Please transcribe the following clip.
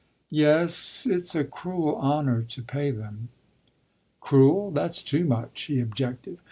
"Yes, it's a cruel honour to pay them." "Cruel that's too much," he objected.